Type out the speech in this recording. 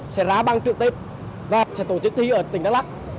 sẽ ra băng trực tiếp và sẽ tổ chức thi ở tỉnh đắk lắc